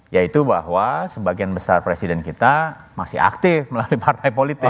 yaitu bahwa sebagian besar presiden kita masih aktif melalui partai politik